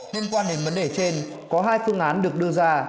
nên quan hệ vấn đề trên có hai phương án được đưa ra